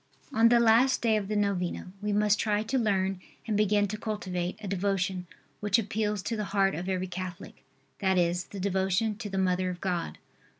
On the last day of the novena we must try to learn and begin to cultivate a devotion, which appeals to the heart of every Catholic, that is, the devotion to the Mother of God.